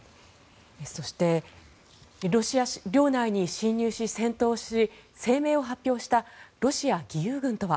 そしてロシア領内に侵入し、戦闘し声明を発表したロシア義勇軍とは。